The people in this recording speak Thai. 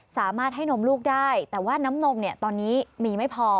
สามารถให้นมลูกได้แต่ว่าน้ำนมเนี่ยตอนนี้มีไม่พอ